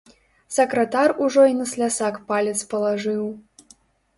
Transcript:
Сакратар ужо й на слясак палец палажыў.